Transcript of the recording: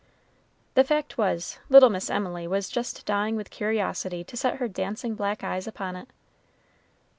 The fact was, little Miss Emily was just dying with curiosity to set her dancing black eyes upon it.